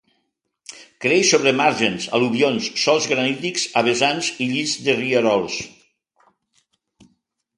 Creix sobre margues, al·luvions, sòls granítics, a vessants i llits de rierols.